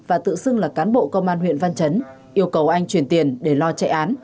và tự xưng là cán bộ công an huyện văn chấn yêu cầu anh chuyển tiền để lo chạy án